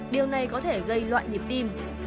điều này có thể gây loạn nhịp tim